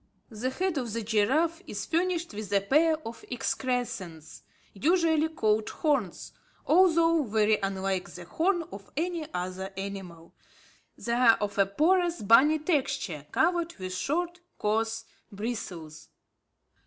The head of the giraffe is furnished with a pair of excrescences, usually called horns, although very unlike the horn of any other animal. They are of a porous bony texture covered with short, coarse bristles.